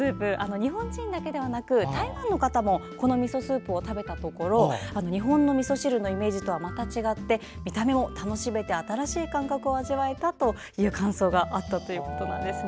日本人だけでなく台湾の方もこのみそスープを食べたところ日本のみそ汁のイメージとはまた違って、見た目も楽しめて新しい感覚を味わえたという感想があったということです。